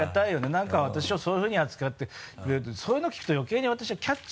何か私をそういうふうに扱ってくれるっていうそういうのを聞くと余計に私は「キャッチ！」